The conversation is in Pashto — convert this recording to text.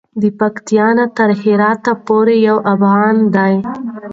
د پکتیا نه تر هراته پورې یو افغان دی.